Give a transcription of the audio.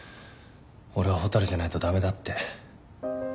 俺は蛍じゃないと駄目だって。